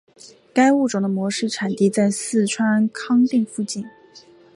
该物种的模式产地在四川康定附近。